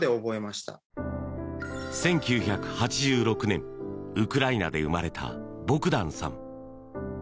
１９８６年ウクライナで生まれたボグダンさん。